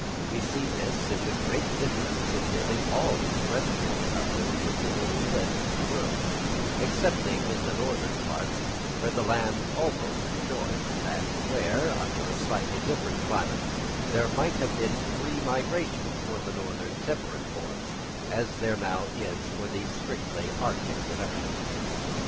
We see this in the great difference in nearly all the terrestrial productions of the New and Old Worlds, excepting in the northern parts, where the land almost joins, and where, under a slightly different climate, there might have been free migration for the northern temperate forms, as there now is for the strictly arctic productions.